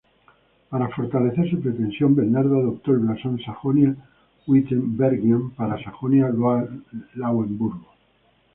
Para fortalecer su pretensión, Bernardo adoptó el blasón Sajonia-Wittenbergian para Sajonia-Lauenburgo.